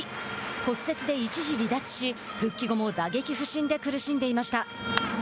骨折で一時離脱し復帰後も打撃不振で苦しんでいました。